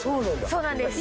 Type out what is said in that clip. そうなんです。